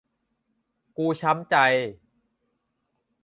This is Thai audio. กูช้ำใจ